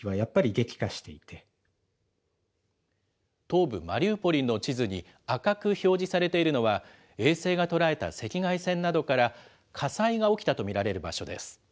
東部マリウポリの地図に赤く表示されているのは、衛星が捉えた赤外線などから、火災が起きたと見られる場所です。